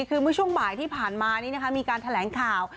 คือเมื่อช่วงบ่ายที่ผ่านมานี้มีการแถลงข่าว